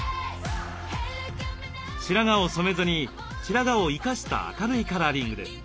白髪を染めずに白髪を生かした明るいカラーリングです。